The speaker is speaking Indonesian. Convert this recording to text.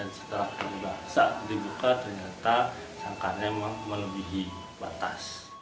dan setelah terbuka ternyata sangkanya melebihi batas